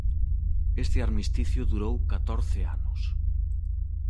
Este armisticio durou catorce anos.